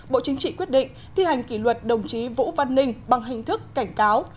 bộ chính trị quyết định thi hành kỷ luật đồng chí vũ văn ninh bằng hình thức cảnh cáo